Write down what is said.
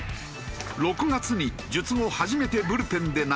６月に術後初めてブルペンで投げたが。